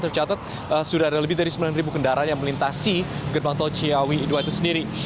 tercatat sudah ada lebih dari sembilan kendaraan yang melintasi gerbang tol ciawi ii itu sendiri